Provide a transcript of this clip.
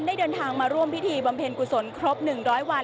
เดินทางมาร่วมพิธีบำเพ็ญกุศลครบ๑๐๐วัน